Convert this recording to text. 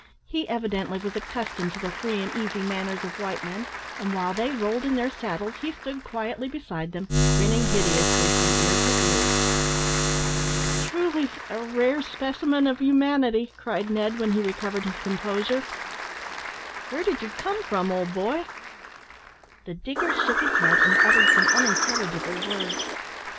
He evidently was accustomed to the free and easy manners of white men, and while they rolled in their saddles, he stood quietly beside them, grinning hideously from ear to ear. "Truly, a rare specimen of humanity," cried Ned, when he recovered his composure. "Where did you come from, old boy?" The digger shook his head, and uttered some unintelligible words.